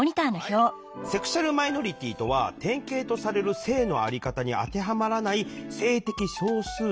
セクシュアルマイノリティーとは典型とされる性のあり方に当てはまらない性的少数者のことです。